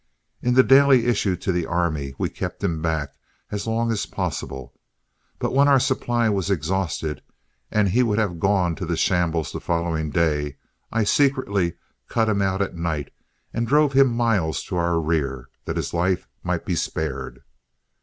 In the daily issue to the army we kept him back as long as possible; but when our supply was exhausted, and he would have gone to the shambles the following day, I secretly cut him out at night and drove him miles to our rear, that his life might be spared.